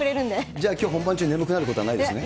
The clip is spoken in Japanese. じゃあきょう本番中眠くなることないですね。